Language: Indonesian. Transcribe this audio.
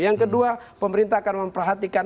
yang kedua pemerintah akan memperhatikan